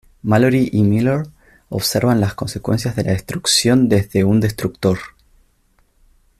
Mallory y Miller observan las consecuencias de la destrucción desde un destructor.